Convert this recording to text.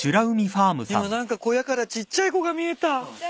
今何か小屋からちっちゃい子が見えた。